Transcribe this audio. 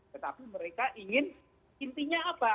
tetapi mereka ingin intinya apa